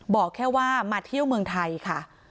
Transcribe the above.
บอกแค่ว่ามาเที่ยวเมืองไทยค่ะ